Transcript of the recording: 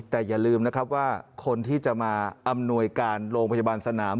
แต่อย่าลืมนะครับว่าคนที่จะมาอำนวยการโรงพยาบาลสนาม